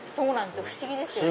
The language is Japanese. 不思議ですよね。